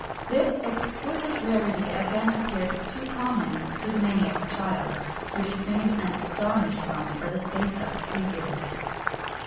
[XXI 66] This exquisite rarity again appeared too common to the maniac child, who dismayed and astonished Rome for the space of three years.